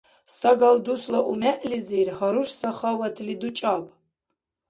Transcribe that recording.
Сагал дусла умегӀлизир гьаруш сахаватли дучӀаб!